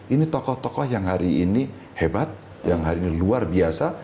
ini tokoh tokoh yang hari ini hebat yang hari ini luar biasa